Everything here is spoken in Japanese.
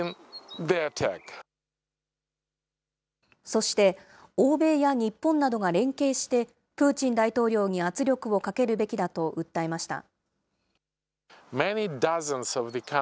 そして、欧米や日本などが連携して、プーチン大統領に圧力をかけるべきだと訴えました。